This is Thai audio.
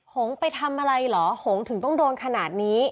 หงไปทำอะไรเหรอหงถึงต้องโดนขนาดนี้